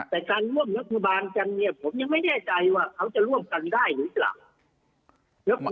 แต่การร่วมรัฐบาลกันเนี่ยผมยังไม่แน่ใจว่าเขาจะร่วมกันได้หรือเปล่า